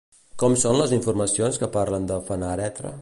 Com són les informacions que parlen de Fenàreta?